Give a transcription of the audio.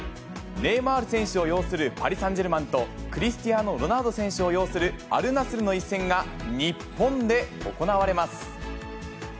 ネイマール選手を擁するパリサンジェルマンとクリスティアーノ・ロナウド選手を擁するアルナスルの一戦が日本で行われます。